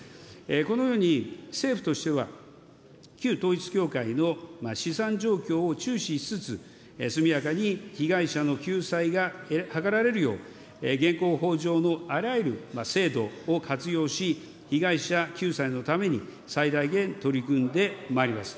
このように、政府としては旧統一教会の資産状況を注視しつつ、速やかに被害者の救済が図られるよう、現行法上のあらゆる制度を活用し、被害者救済のために最大限取り組んでまいります。